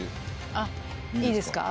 あっいいですか？